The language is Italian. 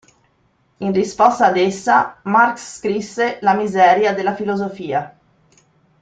In risposta ad essa Marx scrisse la "Miseria della filosofia".